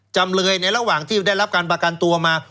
จำเลยในระหว่างที่ได้รับการประกันตัวมา